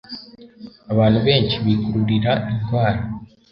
Abantu benshi bikururira indwara